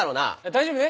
大丈夫ね？